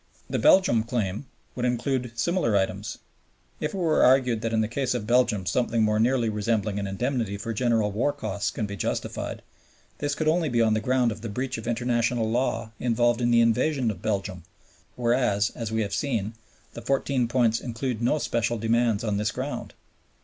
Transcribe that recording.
The Belgian claim would include similar items. If it were argued that in the case of Belgium something more nearly resembling an indemnity for general war costs can be justified, this could only be on the ground of the breach of International Law involved in the invasion of Belgium, whereas, as we have seen, the Fourteen Points include no special demands on this ground.